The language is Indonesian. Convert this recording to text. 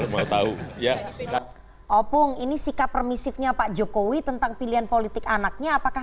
boleh tahu ya opung ini sikap permisifnya pak jokowi tentang pilihan politik anaknya apakah